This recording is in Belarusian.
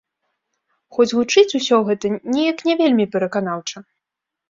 Хоць гучыць усё гэта неяк не вельмі пераканаўча.